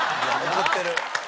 怒ってる。